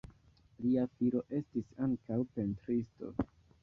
Lia filo estis ankaŭ pentristo.